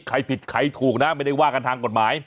ใครผิดใครถูกนะไม่ได้ว่ากันทางกฎหมาย